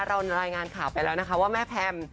รายงานข่าวไปแล้วนะคะว่าแม่แพม